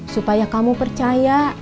supaya kamu percaya